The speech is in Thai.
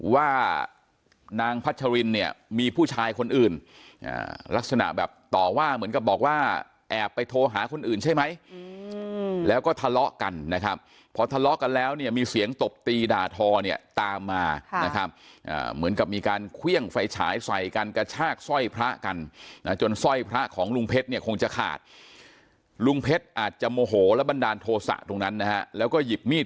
ว่านางพัชรินเนี่ยมีผู้ชายคนอื่นอ่าลักษณะแบบต่อว่าเหมือนกับบอกว่าแอบไปโทรหาคนอื่นใช่ไหมอืมแล้วก็ทะเลาะกันนะครับเพราะทะเลาะกันแล้วเนี่ยมีเสียงตบตีด่าทอเนี่ยตามมาค่ะนะครับอ่าเหมือนกับมีการเครื่องไฟฉายใส่กันกระชากสร้อยพระกันนะจนสร้อยพระของลุงเพชรเนี่ยคงจะขาดลุงเพชรอาจจะโมโ